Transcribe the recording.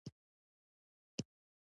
خو که دا ځل که طالبان پاشل کیږي